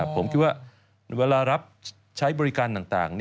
ผมคิดว่าเวลารับใช้บริการต่าง